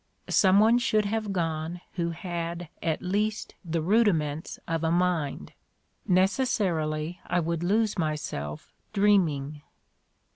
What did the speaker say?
Some one should have gone who had at least the rudiments of a mind. Necessarily I would lose myself dreaming."